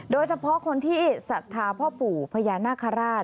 โดยเฉพาะคนที่ศรัทธาพ่อปู่พญานาคาราช